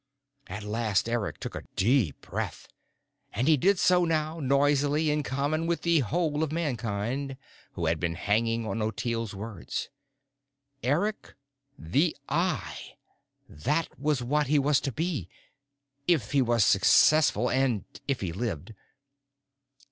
At last Eric could take a deep breath, and he did so now, noisily, in common with the whole of Mankind who had been hanging on Ottilie's words. Eric the Eye that was what he was to be. If he was successful ... and if he lived.